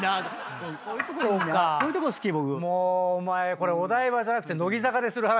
お前これお台場じゃなくて乃木坂でする話だよ。